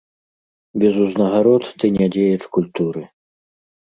Без узнагарод ты не дзеяч культуры.